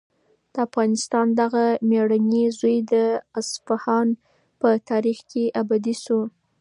د افغانستان دغه مېړنی زوی د اصفهان په تاریخ کې ابدي شو.